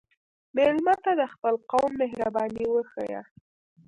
مېلمه ته د خپل قوم مهرباني وښیه.